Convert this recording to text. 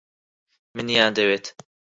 منیان دەوێت.